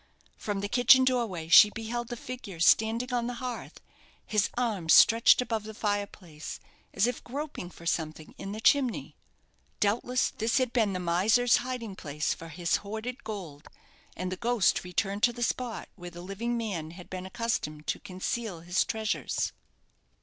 From the kitchen doorway she beheld the figure standing on the hearth, his arms stretched above the fireplace, as if groping for something in the chimney. Doubtless this had been the miser's hiding place for his hoarded gold, and the ghost returned to the spot where the living man had been accustomed to conceal his treasures.